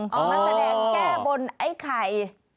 มาแสดงแก้บนไอ้ไข่